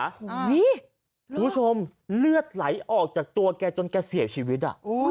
คุณผู้ชมเลือดไหลออกจากตัวแกจนแกเสียชีวิต